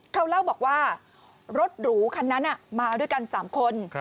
เขาเล่าบอกว่ารถหรูคันนั้นมาด้วยกัน๓คน